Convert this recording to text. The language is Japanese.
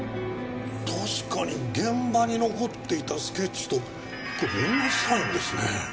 確かに現場に残っていたスケッチとこれ同じサインですね。